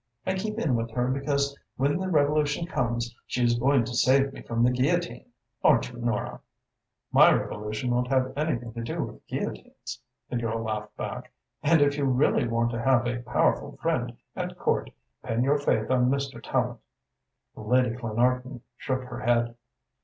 I keep in with her because when the revolution comes she is going to save me from the guillotine, aren't you, Nora?" "My revolution won't have anything to do with guillotines," the girl laughed back, "and if you really want to have a powerful friend at court, pin your faith on Mr. Tallente." Lady Clanarton shook her head.